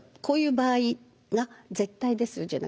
こういう場合が絶対ですよ